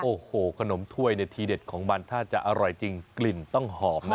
โอ้โหขนมถ้วยเนี่ยทีเด็ดของมันถ้าจะอร่อยจริงกลิ่นต้องหอมนะ